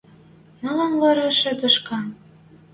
– Малын вара шӹдешкӓ?